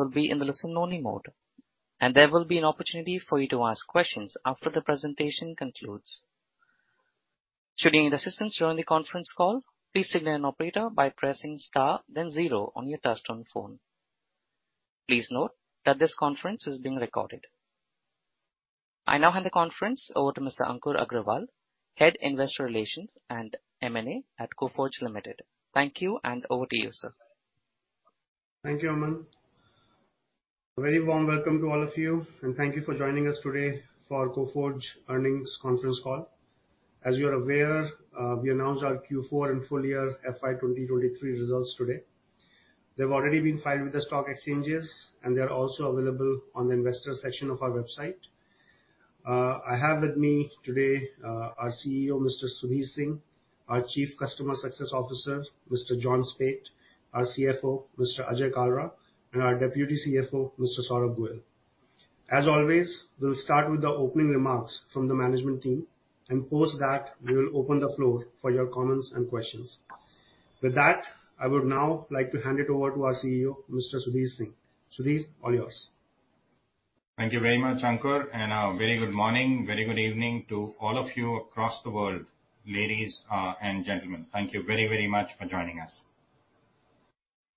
Will be in the listen-only mode, and there will be an opportunity for you to ask questions after the presentation concludes. Should you need assistance during the conference call, please signal an operator by pressing Star then Zero on your touchtone phone. Please note that this conference is being recorded. I now hand the conference over to Mr. Ankur Agrawal, Head Investor Relations and M&A at Coforge Limited. Thank you, and over to you, sir. Thank you, Aman. A very warm welcome to all of you, and thank you for joining us today for our Coforge Earnings Conference Call. As you're aware, we announced our Q4 and full year FY 2023 results today. They've already been filed with the stock exchanges, and they are also available on the investor section of our website. I have with me today, our CEO, Mr. Sudhir Singh; our Chief Customer Success Officer, Mr. John Speight; our CFO, Mr. Ajay Kalra; and our Deputy CFO, Mr. Saurabh Goel. As always, we'll start with the opening remarks from the management team, and post that we will open the floor for your comments and questions. With that, I would now like to hand it over to our CEO, Mr. Sudhir Singh. Sudhir, all yours. Thank you very much, Ankur. A very good morning, very good evening to all of you across the world. Ladies and gentlemen, thank you very, very much for joining us.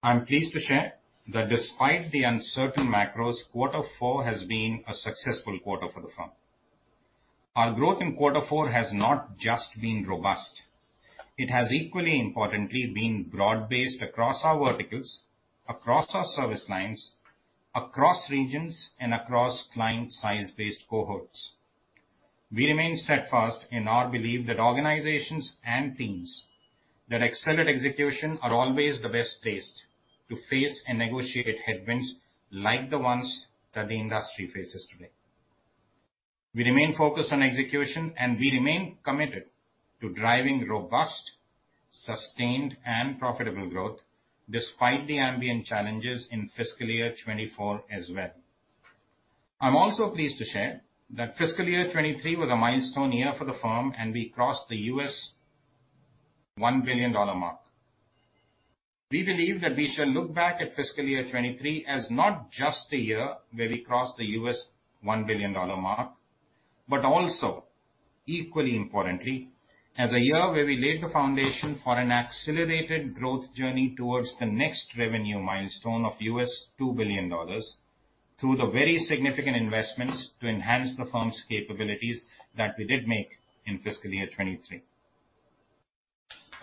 I'm pleased to share that despite the uncertain macros, Q4 has been a successful quarter for the firm. Our growth in Q4 has not just been robust, it has equally importantly broad-based across our verticals, across our service lines, across regions, and across client size-based cohorts. We remain steadfast in our belief that organizations and teams that accelerate execution are always the best placed to face and negotiate headwinds like the ones that the industry faces today. We remain focused on execution. We remain committed to driving robust, sustained, and profitable growth despite the ambient challenges in fiscal year 2024 as well. I'm also pleased to share that fiscal year 2023 was a milestone year for the firm, and we crossed the $1 billion mark. We believe that we shall look back at fiscal year 2023 as not just a year where we crossed the $1 billion mark, but also equally importantly, as a year where we laid the foundation for an accelerated growth journey towards the next revenue milestone of $2 billion through the very significant investments to enhance the firm's capabilities that we did make in fiscal year 2023.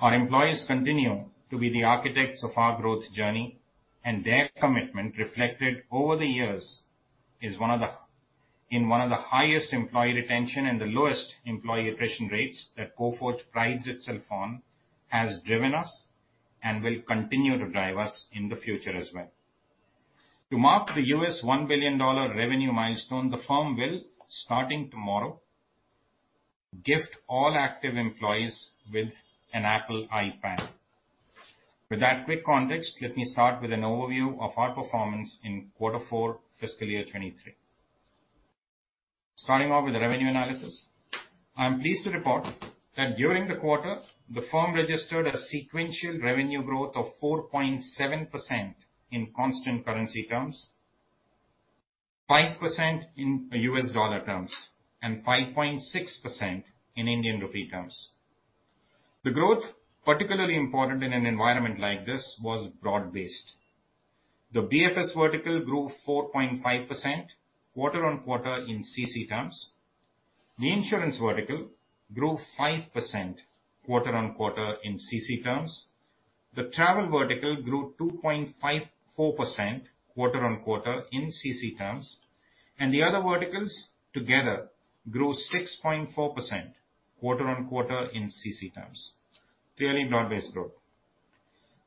Our employees continue to be the architects of our growth journey, and their commitment reflected over the years in one of the highest employee retention and the lowest employee attrition rates that Coforge prides itself on, has driven us and will continue to drive us in the future as well. To mark the $1 billion revenue milestone, the firm will, starting tomorrow, gift all active employees with an Apple iPad. With that quick context, let me start with an overview of our performance in Q4, fiscal year 2023. Starting off with the revenue analysis. I am pleased to report that during the quarter, the firm registered a sequential revenue growth of 4.7% in constant currency terms, 5% in US dollar terms, and 5.6% in Indian rupee terms. The growth, particularly important in an environment like this, was broad-based. The BFS vertical grew 4.5% quarter-on-quarter in CC terms. The insurance vertical grew 5% quarter-on-quarter in CC terms. The travel vertical grew 2.54% quarter-on-quarter in CC terms, and the other verticals together grew 6.4% quarter-on-quarter in CC terms. Clearly broad-based growth.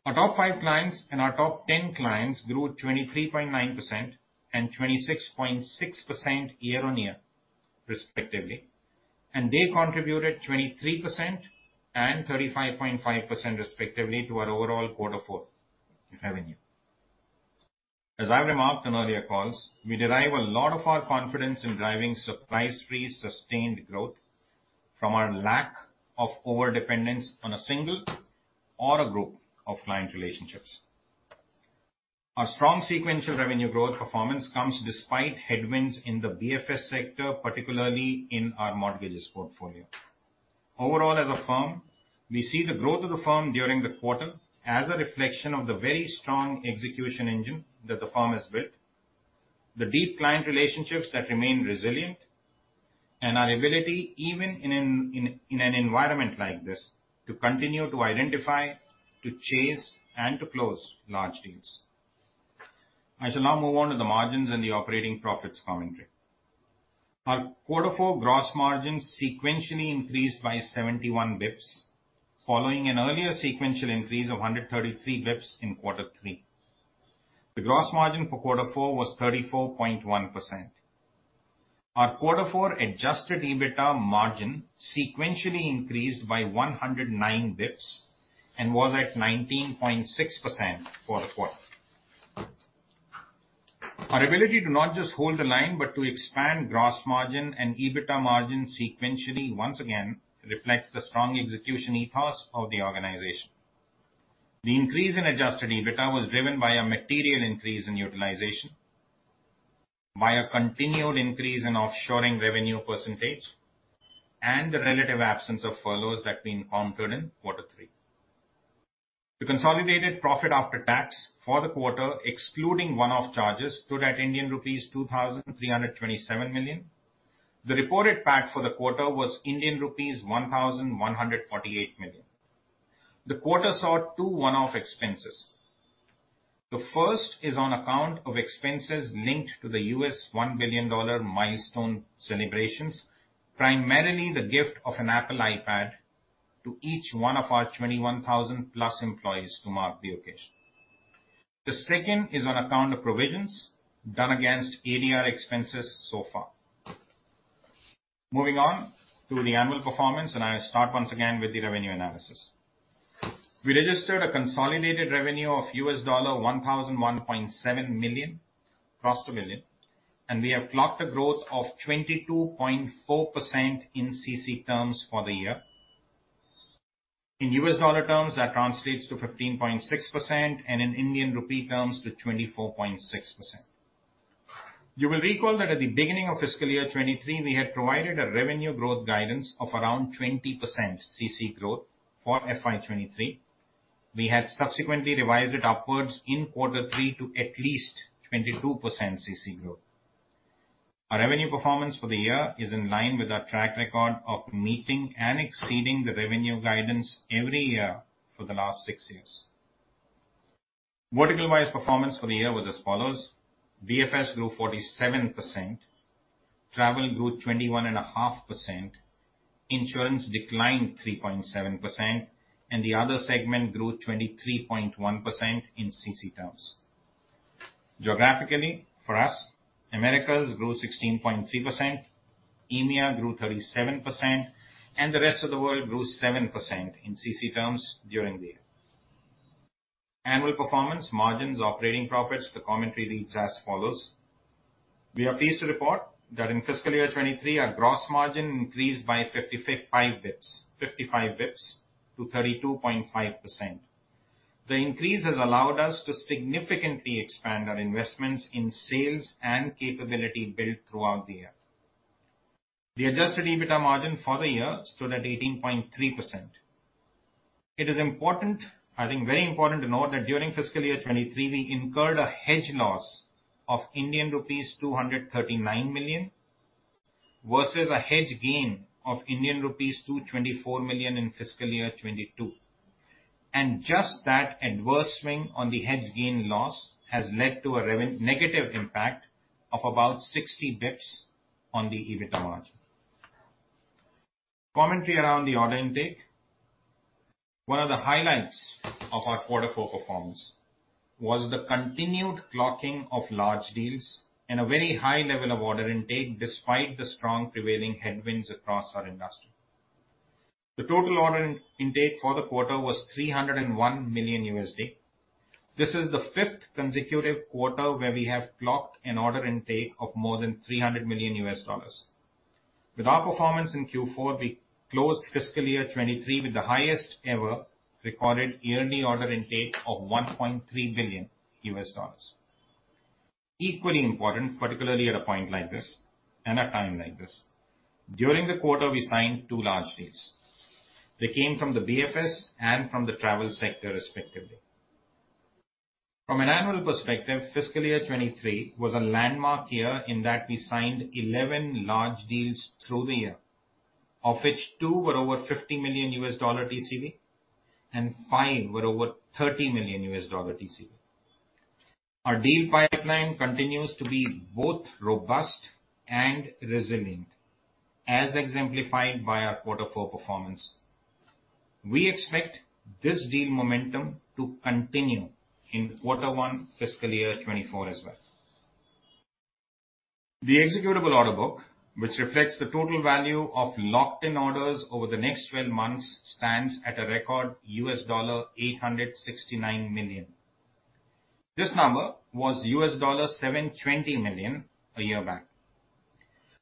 Our top five clients and our top 10 clients grew 23.9% and 26.6% year-on-year, respectively. They contributed 23% and 35.5% respectively to our overall Q4 revenue. As I've remarked on earlier calls, we derive a lot of our confidence in driving surprise-free sustained growth from our lack of overdependence on a single or a group of client relationships. Our strong sequential revenue growth performance comes despite headwinds in the BFS sector, particularly in our mortgages portfolio. Overall, as a firm, we see the growth of the firm during the quarter as a reflection of the very strong execution engine that the firm has built, the deep client relationships that remain resilient, and our ability, even in an environment like this, to continue to identify, to chase, and to close large deals. I shall now move on to the margins and the operating profits commentary. Our Q4 gross margins sequentially increased by 71 basis points, following an earlier sequential increase of 133 basis points in Q3. The gross margin for Q4 was 34.1%. Our Q4 adjusted EBITA margin sequentially increased by 109 basis points and was at 19.6% for the quarter. Our ability to not just hold the line, but to expand gross margin and EBITDA margin sequentially once again reflects the strong execution ethos of the organization. The increase in adjusted EBITDA was driven by a material increase in utilization, by a continued increase in offshoring revenue %, and the relative absence of furloughs that we incurred in Q3. The consolidated PAT for the quarter, excluding one-off charges, stood at Indian rupees 2,327 million. The reported PAT for the quarter was Indian rupees 1,148 million. The quarter saw two one-off expenses. The first is on account of expenses linked to the $1 billion milestone celebrations, primarily the gift of an Apple iPad to each one of our 21,000+ employees to mark the occasion. The second is on account of provisions done against ADR expenses so far. Moving on to the annual performance, I'll start once again with the revenue analysis. We registered a consolidated revenue of $1,001.7 million, close to million. We have clocked a growth of 22.4% in CC terms for the year. In US dollar terms, that translates to 15.6%, and in Indian rupee terms to 24.6%. You will recall that at the beginning of fiscal year 2023, we had provided a revenue growth guidance of around 20% CC growth for FY 2023. We had subsequently revised it upwards in Q3 to at least 22% CC growth. Our revenue performance for the year is in line with our track record of meeting and exceeding the revenue guidance every year for the last six years. Verticalized performance for the year was as follows. BFS grew 47%. Travel grew 21.5%. Insurance declined 3.7%. The other segment grew 23.1% in CC terms. Geographically, for us, Americas grew 16.3%. EMEA grew 37%, and the rest of the world grew 7% in CC terms during the year. Annual performance margins, operating profits, the commentary reads as follows. We are pleased to report that in fiscal year 2023, our gross margin increased by 55 bps to 32.5%. The increase has allowed us to significantly expand our investments in sales and capability built throughout the year. The adjusted EBITDA margin for the year stood at 18.3%. It is important, I think very important to note that during fiscal year 2023, we incurred a hedge loss of Indian rupees 239 million versus a hedge gain of Indian rupees 224 million in fiscal year 2022. Just that adverse swing on the hedge gain loss has led to a negative impact of about 60 basis points on the EBITDA margin. Commentary around the order intake. One of the highlights of our Q4 performance was the continued clocking of large deals and a very high level of order intake despite the strong prevailing headwinds across our industry. The total order intake for the quarter was $301 million. This is the fifth consecutive quarter where we have clocked an order intake of more than $300 million. With our performance in Q4, we closed fiscal year 2023 with the highest ever recorded yearly order intake of $1.3 billion. Equally important, particularly at a point like this and a time like this, during the quarter, we signed two large deals. They came from the BFS and from the travel sector, respectively. From an annual perspective, fiscal year 2023 was a landmark year in that we signed 11 large deals through the year, of which two were over $50 million TCV, and 5 were over $30 million TCV. Our deal pipeline continues to be both robust and resilient, as exemplified by our Q4 performance. We expect this deal momentum to continue in Q1, fiscal year 2024 as well. The executable order book, which reflects the total value of locked-in orders over the next 12 months, stands at a record $869 million. This number was $720 million a year back.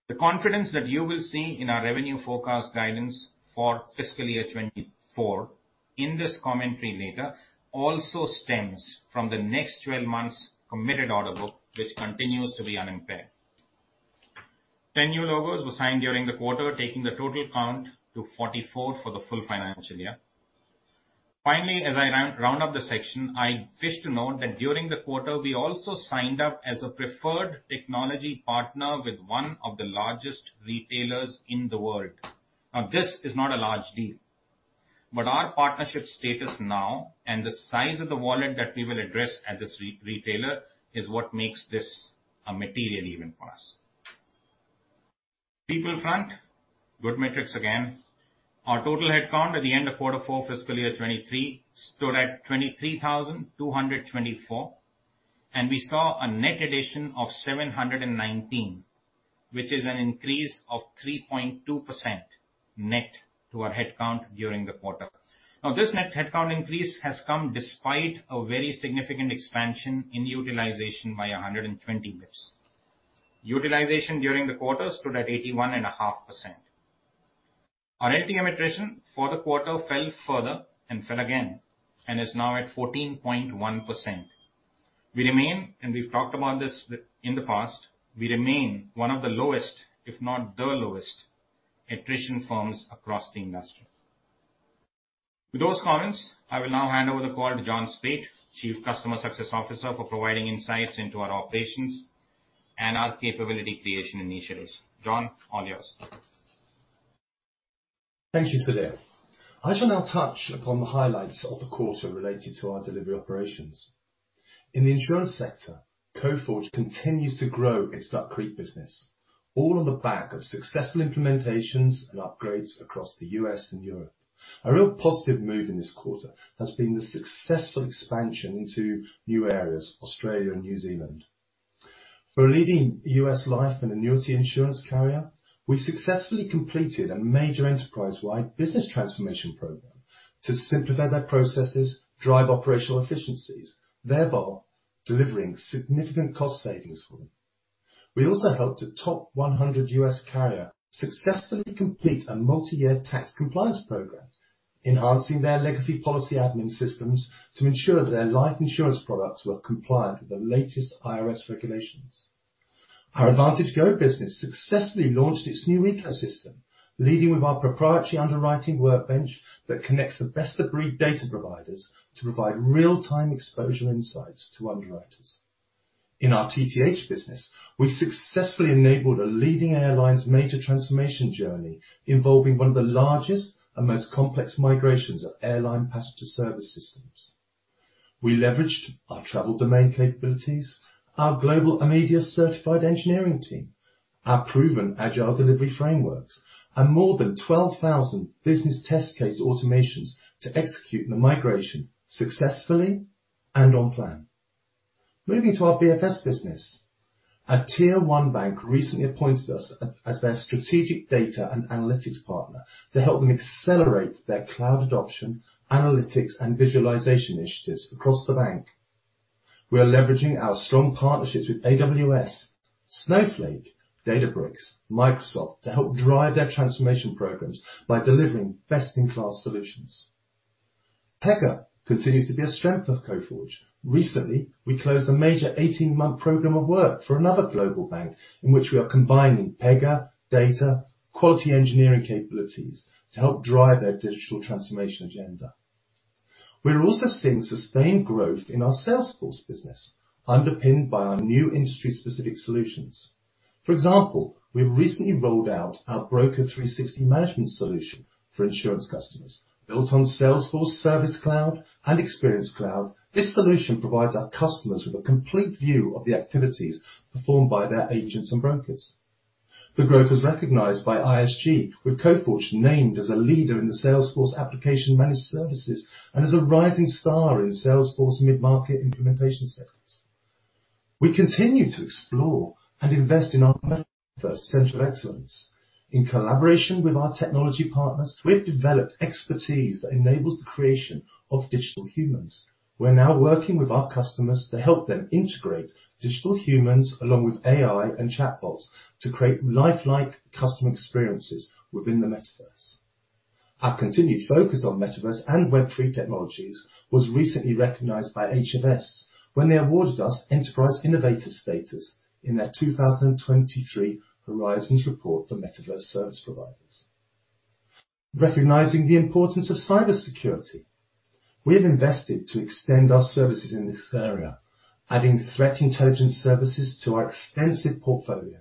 The confidence that you will see in our revenue forecast guidance for fiscal year 2024 in this commentary later also stems from the next 12 months' committed order book, which continues to be unimpaired. 10 new logos were signed during the quarter, taking the total count to 44 for the full financial year. Finally, as I round up the section, I wish to note that during the quarter we also signed up as a preferred technology partner with one of the largest retailers in the world. This is not a large deal, but our partnership status now and the size of the wallet that we will address at this retailer is what makes this a material event for us. People front, good metrics again. Our total headcount at the end of Q4, fiscal year 2023 stood at 23,224, and we saw a net addition of 719. Which is an increase of 3.2% net to our headcount during the quarter. This net headcount increase has come despite a very significant expansion in utilization by 120 basis points. Utilization during the quarter stood at 81.5%. Our LTM attrition for the quarter fell further and fell again and is now at 14.1%. We remain, and we've talked about this with... in the past, we remain one of the lowest, if not the lowest attrition firms across the industry. With those comments, I will now hand over the call to John Speight, Chief Customer Success Officer, for providing insights into our operations and our capability creation initiatives. John, all yours. Thank you, Sudhir. I shall now touch upon the highlights of the quarter related to our delivery operations. In the insurance sector, Coforge continues to grow its core business, all on the back of successful implementations and upgrades across the US and Europe. A real positive move in this quarter has been the successful expansion into new areas, Australia and New Zealand. For a leading US life and annuity insurance carrier, we successfully completed a major enterprise-wide business transformation program to simplify their processes, drive operational efficiencies, thereby delivering significant cost savings for them. We also helped a top 100 US carrier successfully complete a multi-year tax compliance program, enhancing their legacy policy admin systems to ensure their life insurance products were compliant with the latest IRS regulations. Our AdvantageGo business successfully launched its new ecosystem, leading with our proprietary underwriting workbench that connects the best agreed data providers to provide real-time exposure insights to underwriters. In our TTH business, we successfully enabled a leading airline's major transformation journey, involving one of the largest and most complex migrations of airline passenger service systems. We leveraged our travel domain capabilities, our global Amadeus certified engineering team, our proven agile delivery frameworks, and more than 12,000 business test case automations to execute the migration successfully and on plan. Moving to our BFS business. A tier one bank recently appointed us as their strategic data and analytics partner to help them accelerate their cloud adoption, analytics, and visualization initiatives across the bank. We are leveraging our strong partnerships with AWS, Snowflake, Databricks, Microsoft, to help drive their transformation programs by delivering best-in-class solutions. Pega continues to be a strength of Coforge. Recently, we closed a major 18-month program of work for another global bank in which we are combining Pega, data, quality engineering capabilities to help drive their digital transformation agenda. We are also seeing sustained growth in our Salesforce business, underpinned by our new industry-specific solutions. For example, we recently rolled out our Broker 360 management solution for insurance customers. Built on Salesforce Service Cloud and Experience Cloud, this solution provides our customers with a complete view of the activities performed by their agents and brokers. The growth was recognized by ISG, with Coforge named as a leader in the Salesforce application managed services and as a rising star in Salesforce mid-market implementation sectors. We continue to explore and invest in our Metaverse Center of Excellence. In collaboration with our technology partners, we've developed expertise that enables the creation of digital humans. We are now working with our customers to help them integrate digital humans along with AI and chatbots to create lifelike customer experiences within the Metaverse. Our continued focus on Metaverse and Web3 technologies was recently recognized by HFS when they awarded us Enterprise Innovator status in their 2023 Horizons report for Metaverse service providers. Recognizing the importance of cybersecurity, we have invested to extend our services in this area, adding threat intelligence services to our extensive portfolio.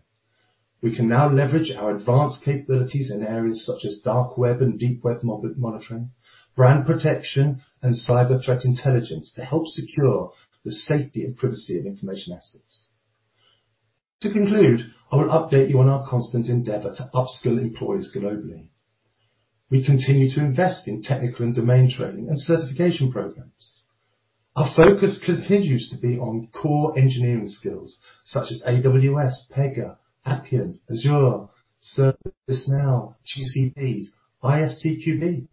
We can now leverage our advanced capabilities in areas such as dark web and deep web monitoring, brand protection, and cyber threat intelligence to help secure the safety and privacy of information assets. To conclude, I will update you on our constant endeavor to upskill employees globally. We continue to invest in technical and domain training and certification programs. Our focus continues to be on core engineering skills such as AWS, Pega, Appian, Azure, ServiceNow, GCP, ISTQB.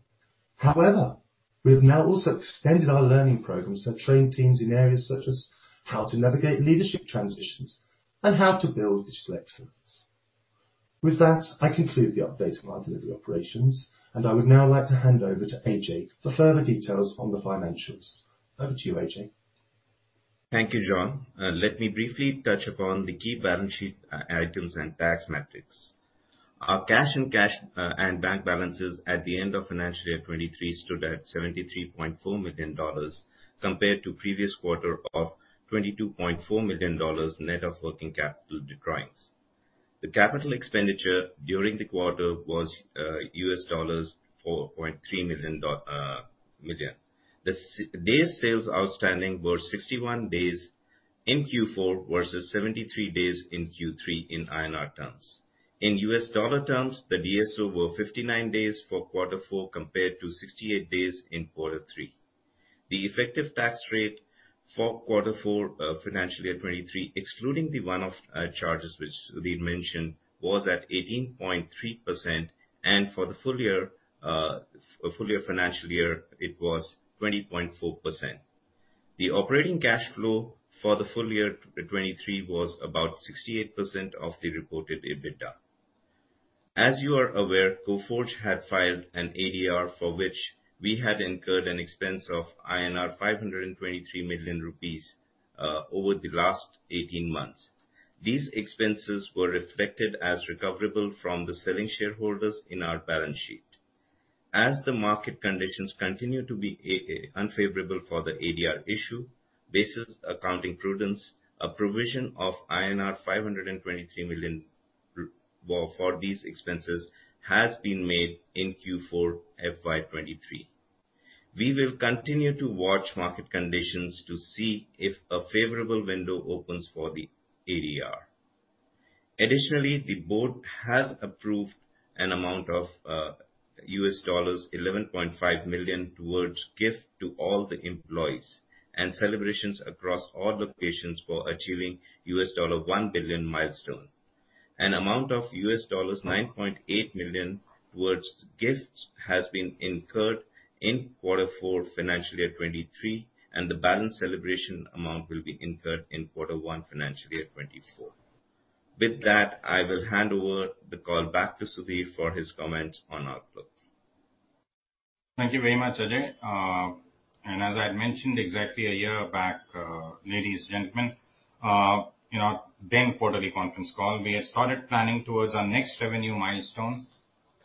However, we have now also extended our learning programs to train teams in areas such as how to navigate leadership transitions and how to build digital excellence. With that, I conclude the update on our delivery operations, and I would now like to hand over to Ajay for further details on the financials. Over to you, Ajay. Thank you, John. Let me briefly touch upon the key balance sheet items and tax metrics. Our cash and bank balances at the end of financial year 2023 stood at $73.4 million compared to previous quarter of $22.4 million net of working capital declines. The capital expenditure during the quarter was $4.3 million. Days sales outstanding were 61 days in Q4 versus 73 days in Q3 in INR terms. In US dollar terms, the DSO were 59 days for Q4 compared to 68 days in Q3. The effective tax rate for Q4, financial year 2023, excluding the one-off charges which Sudhir mentioned, was at 18.3%. For the full year financial year, it was 20.4%. The operating cash flow for the full year 2023 was about 68% of the reported EBITDA. As you are aware, Coforge had filed an ADR for which we had incurred an expense of 523 million rupees over the last 18 months. These expenses were reflected as recoverable from the selling shareholders in our balance sheet. The market conditions continue to be unfavorable for the ADR issue, basis accounting prudence, a provision of INR 523 million for these expenses has been made in Q4 FY 2023. We will continue to watch market conditions to see if a favorable window opens for the ADR. Additionally, the board has approved an amount of $11.5 million towards gift to all the employees and celebrations across all locations for achieving $1 billion milestone. An amount of $9.8 million towards gifts has been incurred in Q4 financial year 2023. The balance celebration amount will be incurred in Q1 financial year 2024. With that, I will hand over the call back to Sudhir for his comments on outlook. Thank you very much, Ajay. As I had mentioned exactly a year back, ladies and gentlemen, in our then quarterly conference call, we had started planning towards our next revenue milestone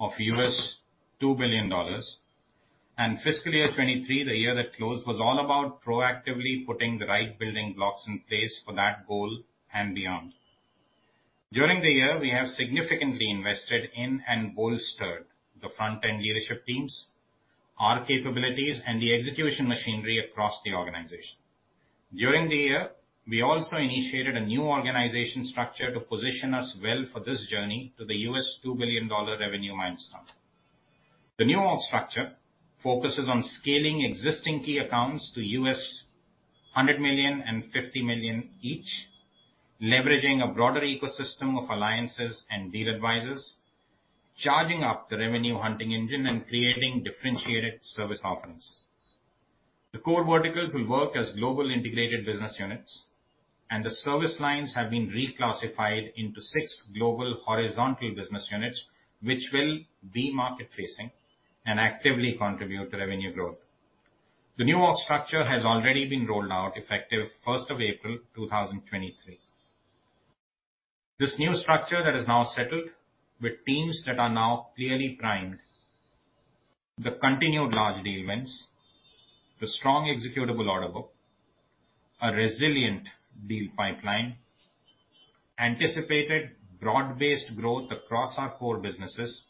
of $2 billion. Fiscal year 2023, the year that closed, was all about proactively putting the right building blocks in place for that goal and beyond. During the year, we have significantly invested in and bolstered the front-end leadership teams, our capabilities, and the execution machinery across the organization. During the year, we also initiated a new organization structure to position us well for this journey to the $2 billion revenue milestone. The new org structure focuses on scaling existing key accounts to $100 million and $50 million each, leveraging a broader ecosystem of alliances and deal advisors, charging up the revenue hunting engine, and creating differentiated service offerings. The core verticals will work as global integrated business units, and the service lines have been reclassified into six global horizontal business units, which will be market-facing and actively contribute to revenue growth. The new org structure has already been rolled out effective April 1, 2023. This new structure that is now settled with teams that are now clearly primed, the continued large deal wins, the strong executable order book, a resilient deal pipeline, anticipated broad-based growth across our core businesses,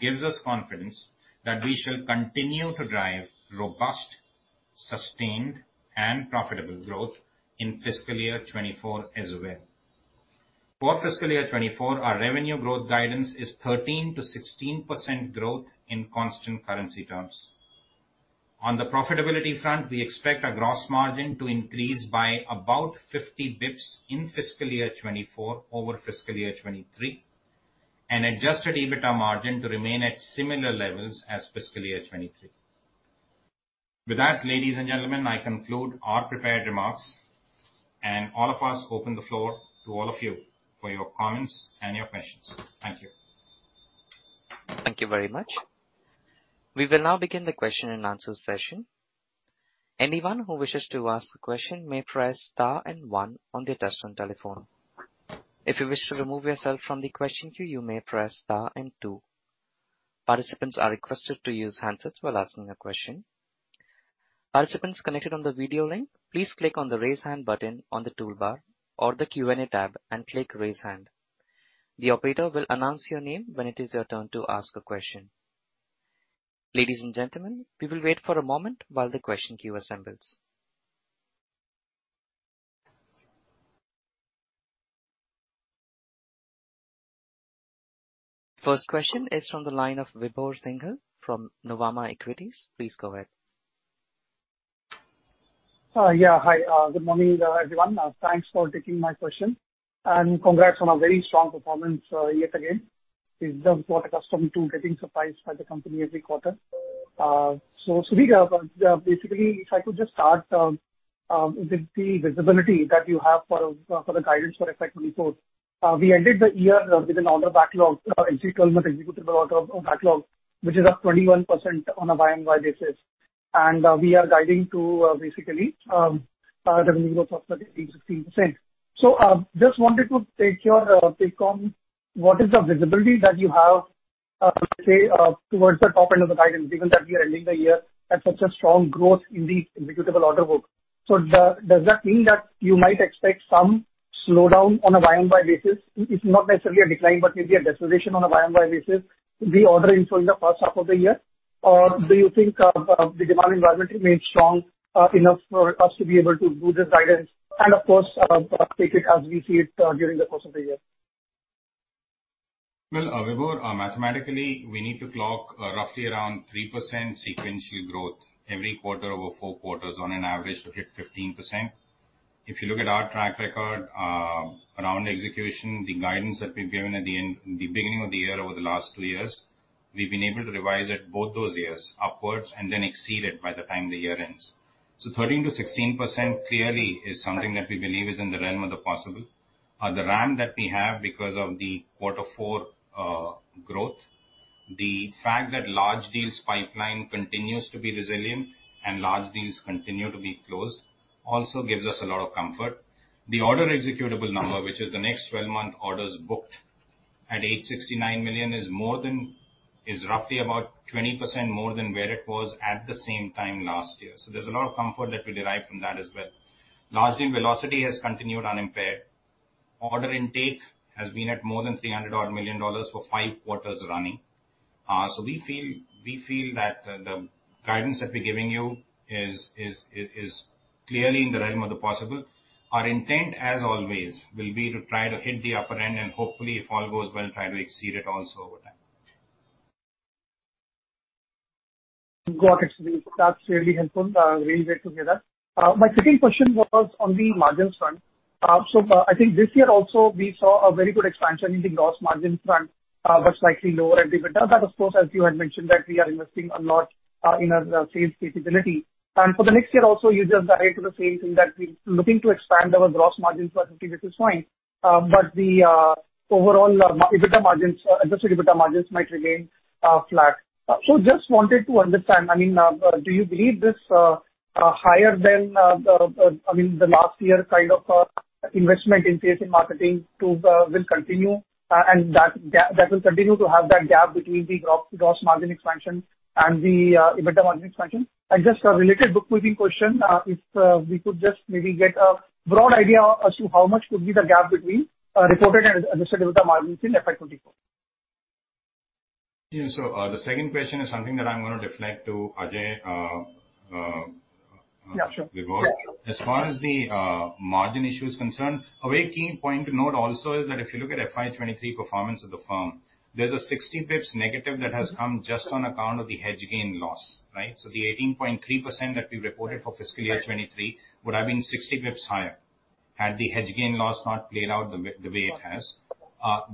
gives us confidence that we shall continue to drive robust, sustained, and profitable growth in fiscal year 2024 as well. For fiscal year 2024, our revenue growth guidance is 13%-16% growth in constant currency terms. On the profitability front, we expect our gross margin to increase by about 50 basis points in fiscal year 2024 over fiscal year 2023. Adjusted EBITDA margin to remain at similar levels as fiscal year 2023. With that, ladies and gentlemen, I conclude our prepared remarks, and all of us open the floor to all of you for your comments and your questions. Thank you. Thank you very much. We will now begin the Q&A session. Anyone who wishes to ask a question may press Star and one on their touchtone telephone. If you wish to remove yourself from the question queue, you may press Star and two. Participants are requested to use handsets while asking a question. Participants connected on the video link, please click on the Raise Hand button on the toolbar or the Q&A tab and click Raise Hand. The operator will announce your name when it is your turn to ask a question. Ladies and gentlemen, we will wait for a moment while the question queue assembles. First question is from the line of Vibhor Singhal from Nuvama Equities. Please go ahead. Yeah. Hi. Good morning, everyone. Thanks for taking my question, and congrats on a very strong performance, yet again. It's just got accustomed to getting surprised by the company every quarter. Sudhir, basically if I could just start with the visibility that you have for the guidance for FY 2024. We ended the year with an order backlog, in procurement executable order backlog, which is up 21% on a YMY basis. We are guiding to, basically, revenue growth of 13%-16%. Just wanted to take your take home, what is the visibility that you have, let's say, towards the top end of the guidance, given that we are ending the year at such a strong growth in the executable order book. Does that mean that you might expect some slowdown on a YoY basis? It's not necessarily a decline, but maybe a deceleration on a YoY basis reordering for in the first half of the year. Do you think the demand environment remains strong enough for us to be able to do this guidance and of course, take it as we see it during the course of the year? Well, Vibhor, mathematically, we need to clock roughly around 3% sequential growth every quarter over 4 quarters on an average to hit 15%. If you look at our track record, around execution, the guidance that we've given at the beginning of the year over the last 2 years, we've been able to revise it both those years upwards and then exceed it by the time the year ends. 13%-16% clearly is something that we believe is in the realm of the possible. The RAM that we have because of the Q4 growth. The fact that large deals pipeline continues to be resilient and large deals continue to be closed also gives us a lot of comfort. The order executable number, which is the next 12-month orders booked at $869 million, is roughly about 20% more than where it was at the same time last year. There's a lot of comfort that we derive from that as well. Large deal velocity has continued unimpaired. Order intake has been at more than $300 odd million for five quarters running. We feel that the guidance that we're giving you is clearly in the realm of the possible. Our intent, as always, will be to try to hit the upper end and hopefully, if all goes well, try to exceed it also over time. Got it, Sudhir. That's really helpful. Really great to hear that. My second question was on the margins front. I think this year also we saw a very good expansion in the gross margin front, but slightly lower EBITDA. That, of course, as you had mentioned, that we are investing a lot in our sales capability. For the next year also you just guided to the same thing, that we're looking to expand our gross margins by 50 basis point. The overall EBITDA margins, adjusted EBITDA margins might remain flat. So just wanted to understand, I mean, do you believe this higher than the, I mean, the last year kind of investment in sales and marketing tools will continue and that will continue to have that gap between the gross margin expansion and the EBITDA margin expansion? Just a related book moving question, if we could just maybe get a broad idea as to how much could be the gap between reported and adjusted EBITDA margins in FY 2024. Yeah. The second question is something that I'm gonna deflect to Ajay. Yeah, sure. Vibhor. As far as the margin issue is concerned, a very key point to note also is that if you look at FY23 performance of the firm, there's a 60 basis points negative that has come just on account of the hedge gain loss, right? The 18.3% that we reported for fiscal year 23 would have been 60 basis points higher had the hedge gain loss not played out the way it has.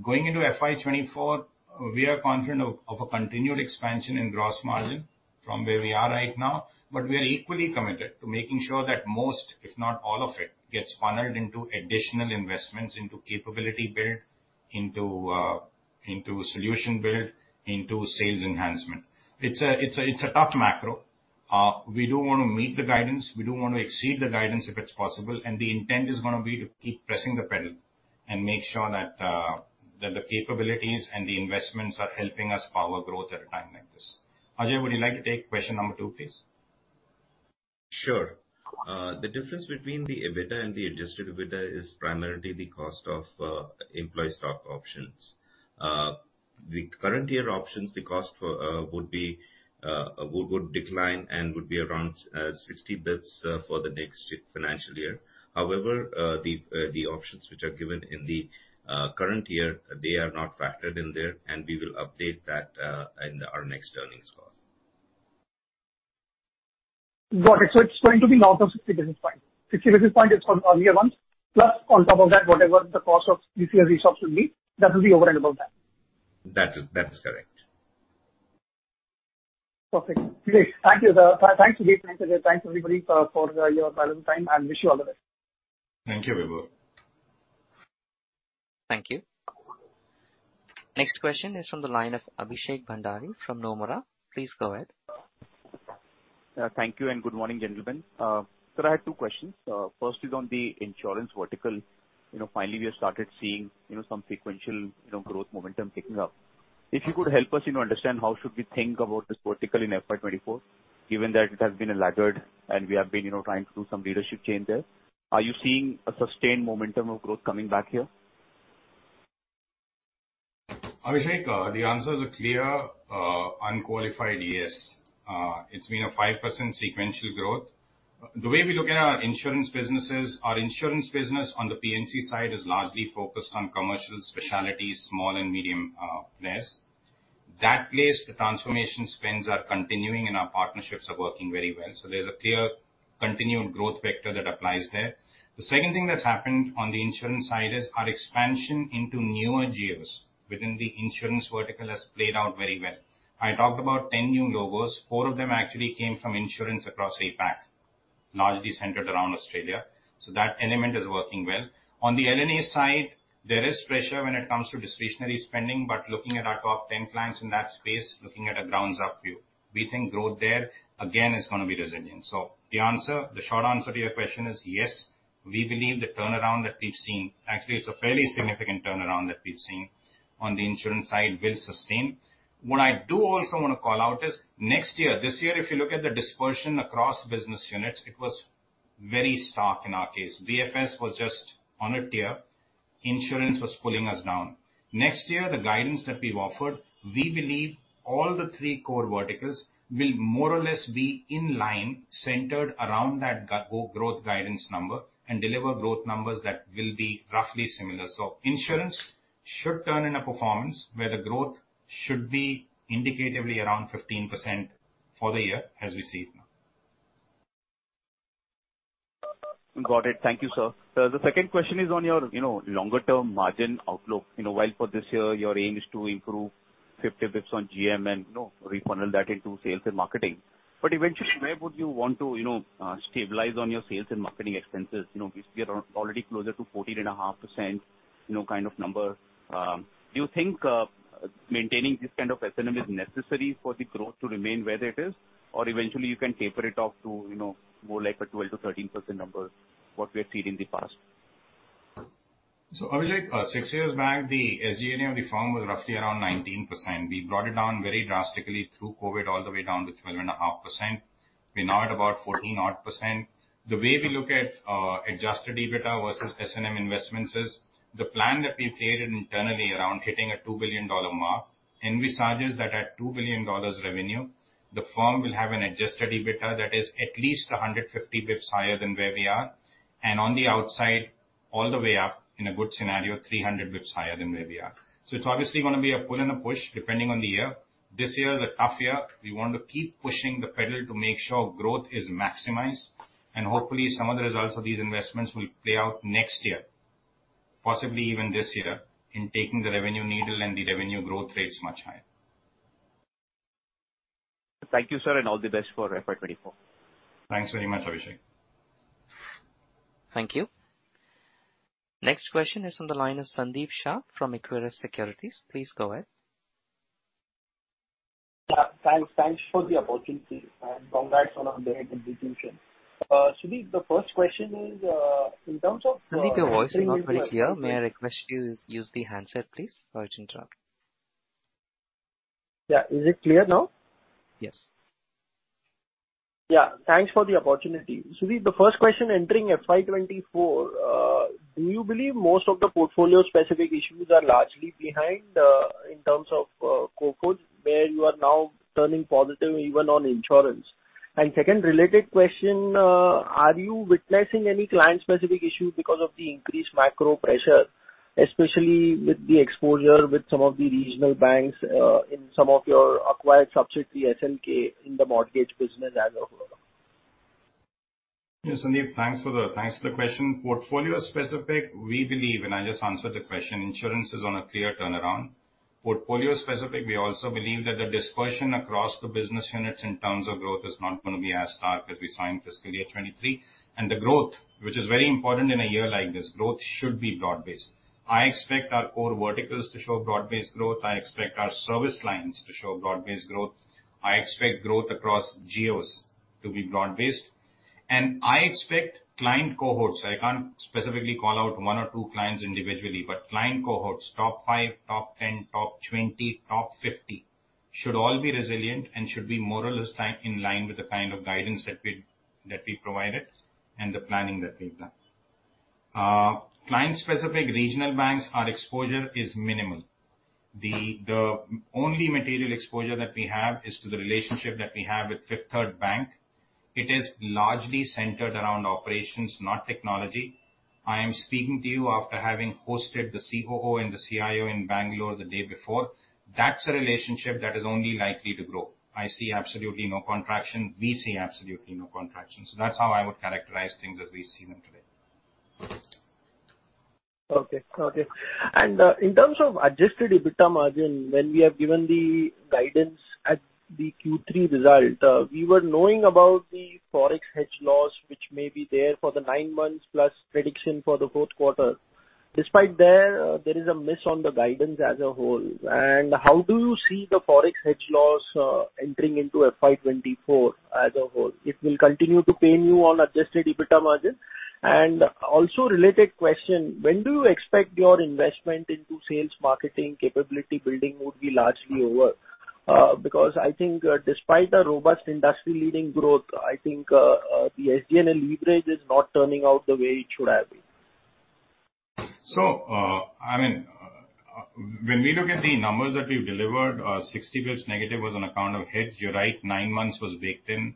Going into FY24, we are confident of a continued expansion in gross margin from where we are right now. We are equally committed to making sure that most, if not all of it, gets funneled into additional investments, into capability build, into solution build, into sales enhancement. It's a tough macro. We don't wanna meet the guidance. We don't wanna exceed the guidance if it's possible. The intent is gonna be to keep pressing the pedal and make sure that the capabilities and the investments are helping us power growth at a time like this. Ajay, would you like to take question number two, please? Sure. The difference between the EBITDA and the adjusted EBITDA is primarily the cost of employee stock options. The current year options, the cost for would decline and would be around 60 basis points for the next financial year. However, the options which are given in the current year, they are not factored in there, and we will update that in our next earnings call. Got it. It's going to be north of 60 basis point. 60 basis point is for year one, plus on top of that, whatever the cost of this year's ESOPs will be. That will be over and above that. That is correct. Perfect. Great. Thank you. Thanks, Sudhir. Thanks, Ajay. Thanks, everybody for your valuable time. Wish you all the best. Thank you, Vibhor. Thank you. Next question is from the line of Abhishek Bhandari from Nomura. Please go ahead. Thank you. Good morning, gentlemen. Sir, I have two questions. First is on the insurance vertical. You know, finally, we have started seeing, you know, some sequential, you know, growth momentum picking up. If you could help us, you know, understand how should we think about this vertical in FY24, given that it has been a laggard and we have been, you know, trying to do some leadership change there. Are you seeing a sustained momentum of growth coming back here? Abhishek, the answer is a clear, unqualified yes. It's been a 5% sequential growth. The way we look at our insurance businesses, our insurance business on the P&C side is largely focused on commercial specialties, small and medium players. That place, the transformation spends are continuing and our partnerships are working very well. There's a clear continued growth vector that applies there. The second thing that's happened on the insurance side is our expansion into newer geos within the insurance vertical has played out very well. I talked about 10 new logos. 4 of them actually came from insurance across APAC, largely centered around Australia. That element is working well. On the BFS side, there is pressure when it comes to discretionary spending, looking at our top 10 clients in that space, looking at a ground-up view, we think growth there again is gonna be resilient. The answer, the short answer to your question is yes. We believe the turnaround that we've seen, actually, it's a fairly significant turnaround that we've seen on the insurance side, will sustain. What I do also wanna call out is next year. This year, if you look at the dispersion across business units, it was very stark in our case. BFS was just on a tear. Insurance was pulling us down. Next year, the guidance that we've offered, we believe all the three core verticals will more or less be in line centered around that growth guidance number and deliver growth numbers that will be roughly similar. Insurance should turn in a performance where the growth should be indicatively around 15% for the year as we see it now. Got it. Thank you, sir. The second question is on your, you know, longer term margin outlook. You know, while for this year your aim is to improve 50 basis points on GM and, you know, refunnel that into sales and marketing. Eventually, where would you want to, you know, stabilize on your sales and marketing expenses? You know, we are already closer to 14.5%, you know, kind of number. Do you think maintaining this kind of S&M is necessary for the growth to remain where it is? Eventually you can taper it off to, you know, more like a 12%-13% number, what we had seen in the past. Abhishek, 6 years back, the SG&A of the firm was roughly around 19%. We brought it down very drastically through COVID all the way down to 12.5%. We're now at about 14% odd. The way we look at adjusted EBITDA versus S&M investments is the plan that we've created internally around hitting a $2 billion mark, and we envisage that at $2 billion revenue, the firm will have an adjusted EBITDA that is at least 150 bits higher than where we are. On the outside, all the way up in a good scenario, 300 bits higher than where we are. It's obviously gonna be a pull and a push, depending on the year. This year is a tough year. We want to keep pushing the pedal to make sure growth is maximized, and hopefully some of the results of these investments will play out next year, possibly even this year, in taking the revenue needle and the revenue growth rates much higher. Thank you, sir, and all the best for FY 2024. Thanks very much, Abhishek. Thank you. Next question is on the line of Sandeep Shah from Equirus Securities. Please go ahead. Thanks for the opportunity and congrats on a great execution. Sudhir, the first question is. Sandeep, your voice is not very clear. May I request you use the handset, please? Sorry to interrupt. Yeah. Is it clear now? Yes. Yeah. Thanks for the opportunity. Sudhir, the first question entering FY 2024, do you believe most of the portfolio-specific issues are largely behind, in terms of CoCos, where you are now turning positive even on insurance? Second related question, are you witnessing any client-specific issue because of the increased macro pressure, especially with the exposure with some of the regional banks, in some of your acquired subsidiary, SLK, in the mortgage business as a whole? Sandeep, thanks for the question. Portfolio specific, we believe, and I just answered the question, insurance is on a clear turnaround. Portfolio specific, we also believe that the dispersion across the business units in terms of growth is not gonna be as stark as we saw in fiscal year 2023. The growth, which is very important in a year like this, should be broad-based. I expect our core verticals to show broad-based growth. I expect our service lines to show broad-based growth. I expect growth across geos to be broad-based. I expect client cohorts, I can't specifically call out one or two clients individually, but client cohorts, top five, top 10, top 20, top 50 should all be resilient and should be more or less in line with the kind of guidance that we provided and the planning that we've done. client-specific regional banks, our exposure is minimal. The only material exposure that we have is to the relationship that we have with Fifth Third Bank. It is largely centered around operations, not technology. I am speaking to you after having hosted the COO and the CIO in Bangalore the day before. That's a relationship that is only likely to grow. I see absolutely no contraction. We see absolutely no contraction. That's how I would characterize things as we see them today. Okay. Okay. In terms of adjusted EBITDA margin, when we have given the guidance at the Q3 result, we were knowing about the Forex hedge loss which may be there for the 9 months plus prediction for the Q4. Despite there is a miss on the guidance as a whole. How do you see the Forex hedge loss entering into FY 2024 as a whole? It will continue to pain you on adjusted EBITDA margin. Also related question, when do you expect your investment into sales marketing capability building would be largely over? Because I think, despite a robust industry-leading growth, I think, the SG&A leverage is not turning out the way it should have been. When we look at the numbers that we've delivered, 60 basis points negative was on account of hedge. You're right, 9 months was baked in,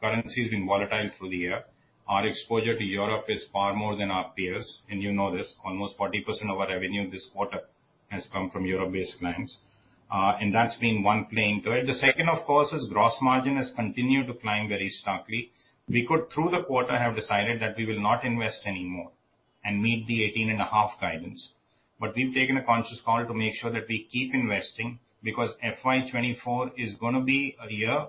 currency's been volatile through the year. Our exposure to Europe is far more than our peers, and you know this. Almost 40% of our revenue this quarter has come from Europe-based clients. That's been one playing to it. The second, of course, is gross margin has continued to climb very starkly. We could, through the quarter, have decided that we will not invest any more and meet the 18.5 guidance. We've taken a conscious call to make sure that we keep investing because FY 2024 is gonna be a year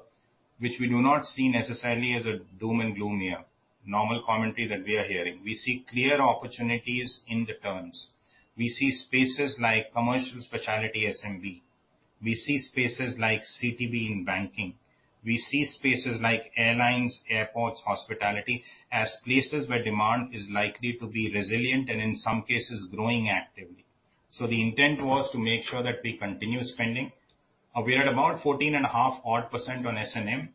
which we do not see necessarily as a doom and gloom year. Normal commentary that we are hearing. We see clear opportunities in the terms. We see spaces like commercial specialty SMB. We see spaces like CTB in banking. We see spaces like airlines, airports, hospitality as places where demand is likely to be resilient and, in some cases, growing actively. The intent was to make sure that we continue spending. We're at about 14.5% odd on S&M.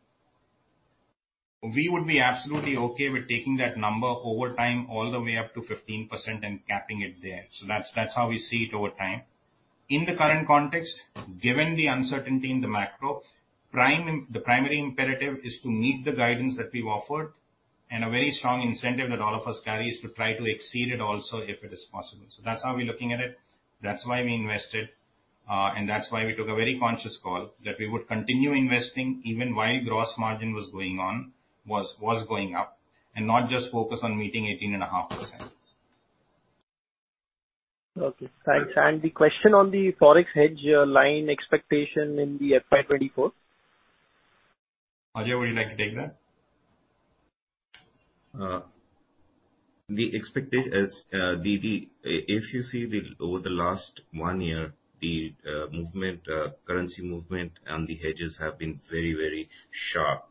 We would be absolutely okay with taking that number over time all the way up to 15% and capping it there. That's how we see it over time. In the current context, given the uncertainty in the macro, the primary imperative is to meet the guidance that we've offered. A very strong incentive that all of us carry is to try to exceed it also, if it is possible. That's how we're looking at it, that's why we invested, and that's why we took a very conscious call that we would continue investing even while gross margin was going up, and not just focus on meeting 18.5%. Okay, thanks. The question on the Forex hedge line expectation in the FY 2024? Ajay, would you like to take that? As if you see the over the last 1 year, the movement, currency movement and the hedges have been very, very sharp.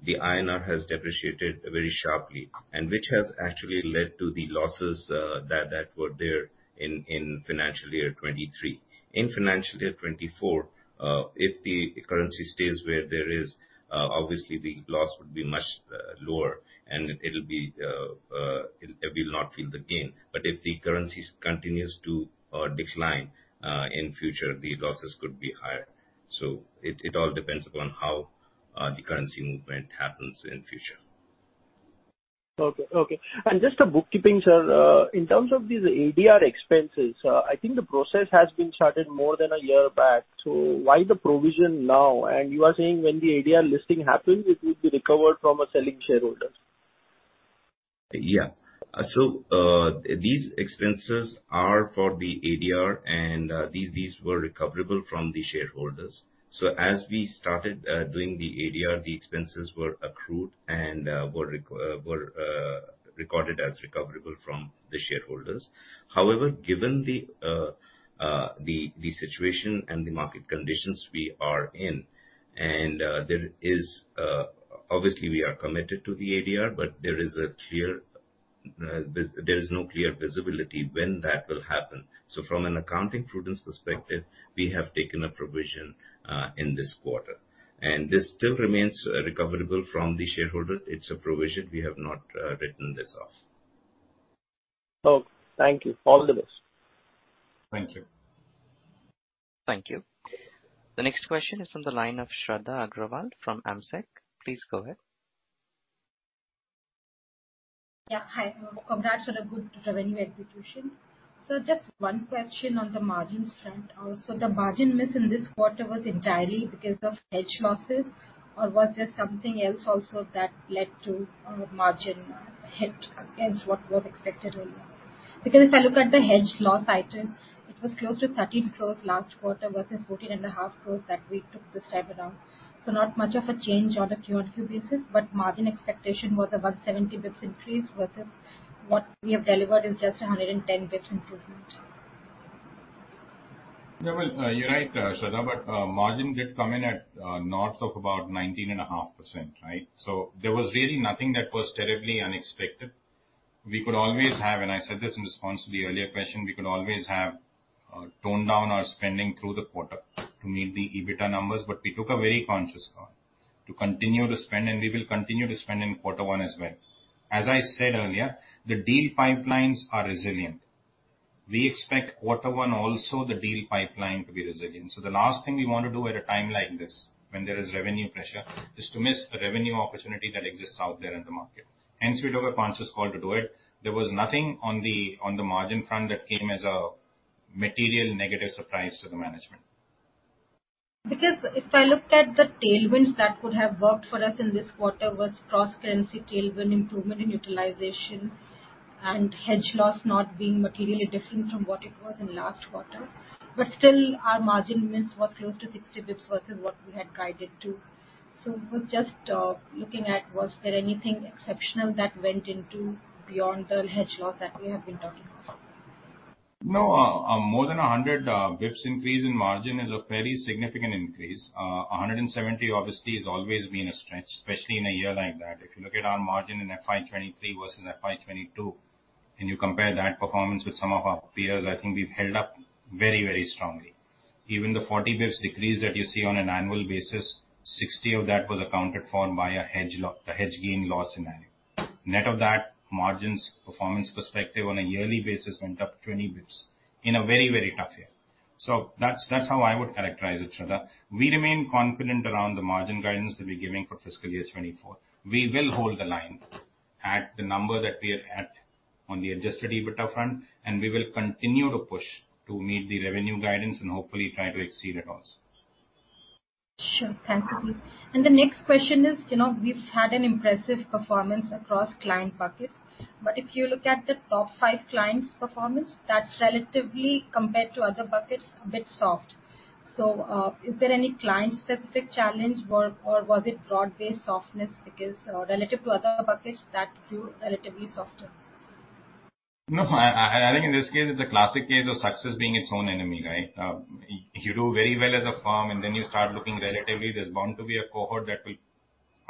The INR has depreciated very sharply, and which has actually led to the losses that were there in financial year 2023. In financial year 2024, if the currency stays where there is, obviously the loss would be much lower and it'll be it will not feel the gain. If the currency continues to decline in future, the losses could be higher. It, it all depends upon how the currency movement happens in future. Okay, okay. Just a bookkeeping, sir. In terms of these ADR expenses, I think the process has been started more than a year back. Why the provision now? You are saying when the ADR listing happens, it will be recovered from a selling shareholder. Yeah. These expenses are for the ADR and these were recoverable from the shareholders. as we started doing the ADR, the expenses were accrued and were recorded as recoverable from the shareholders. However, given the situation and the market conditions we are in, and there is obviously we are committed to the ADR, but there is a clear, there's no clear visibility when that will happen. from an accounting prudence perspective, we have taken a provision in this quarter. This still remains recoverable from the shareholder. It's a provision. We have not written this off. Okay. Thank you. All the best. Thank you. Thank you. The next question is on the line of Shradha Agrawal from AMSEC. Please go ahead. Yeah, hi. Congrats on a good revenue execution. Just one question on the margins front also. The margin miss in this quarter was entirely because of hedge losses or was there something else also that led to a margin hit against what was expected earlier? If I look at the hedge loss item, it was close to 13 crores last quarter versus 14.5 crores that we took this time around. Not much of a change on a QoQ basis, but margin expectation was about 70 basis points increase versus what we have delivered is just 110 basis points improvement. Yeah, well, you're right, Shradha, margin did come in at north of about 19.5%, right? There was really nothing that was terribly unexpected. We could always have, and I said this in response to the earlier question, we could always have toned down our spending through the quarter to meet the EBITDA numbers. We took a very conscious call to continue to spend, and we will continue to spend in Q1 as well. As I said earlier, the deal pipelines are resilient. We expect Q1 also the deal pipeline to be resilient. The last thing we wanna do at a time like this when there is revenue pressure is to miss a revenue opportunity that exists out there in the market. Hence, we took a conscious call to do it. There was nothing on the margin front that came as a material negative surprise to the management. If I looked at the tailwinds that could have worked for us in this quarter was cross-currency tailwind improvement in utilization and hedge loss not being materially different from what it was in last quarter. Still our margin miss was close to 60 basis points versus what we had guided to. Was just looking at was there anything exceptional that went into beyond the hedge loss that we have been talking about? No. More than 100 basis points increase in margin is a fairly significant increase. 170 obviously has always been a stretch, especially in a year like that. If you look at our margin in FY 2023 versus FY 2022, and you compare that performance with some of our peers, I think we've held up very, very strongly. Even the 40 basis points decrease that you see on an annual basis, 60 of that was accounted for by a hedge gain loss scenario. Net of that, margins performance perspective on a yearly basis went up 20 basis points in a very, very tough year. That's, that's how I would characterize it, Shradha. We remain confident around the margin guidance that we're giving for fiscal year 2024. We will hold the line at the number that we're at on the adjusted EBITDA front, and we will continue to push to meet the revenue guidance and hopefully try to exceed it also. Sure. Thank you. The next question is, you know, we've had an impressive performance across client buckets, but if you look at the top 5 clients' performance, that's relatively compared to other buckets a bit soft. Is there any client-specific challenge or was it broad-based softness because relative to other buckets that grew relatively softer? No. I think in this case it's a classic case of success being its own enemy, right? You do very well as a firm and then you start looking relatively, there's bound to be a cohort that will